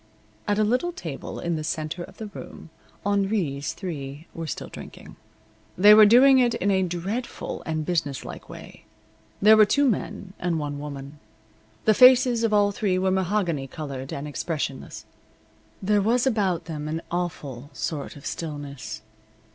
At a little table in the center of the room Henri's three were still drinking. They were doing it in a dreadful and businesslike way. There were two men and one woman. The faces of all three were mahogany colored and expressionless. There was about them an awful sort of stillness.